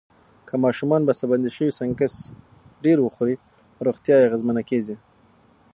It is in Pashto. که ماشومان بستهبندي شوي سنکس ډیر وخوري، روغتیا یې اغېزمنه کېږي.